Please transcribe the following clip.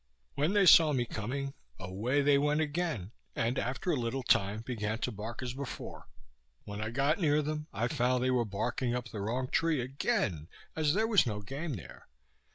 When they saw me coming, away they went again; and, after a little time, began to bark as before. When I got near them, I found they were barking up the wrong tree again, as there was no game there.